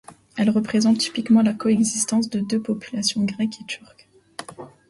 Elle représente typiquement la coexistence de deux populations, grecque et turque.